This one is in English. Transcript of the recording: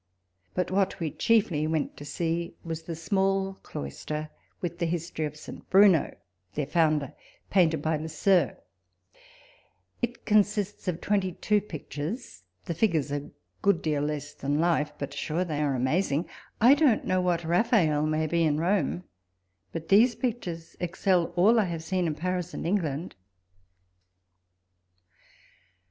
But what we chiefly went to see was the small cloister, with the history of St. Bruno, their founder, painted by Le Sceur. It consists of twenty two pictures, the figures a good deal less than life. But sure they ai e amazing ! I don't know what Raphael may be in Rome, but these pictures excel all I have seen, in Paris and England.